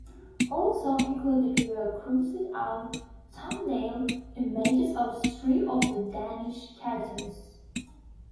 Also included were crossed-out thumbnail images of three of the Danish cartoons.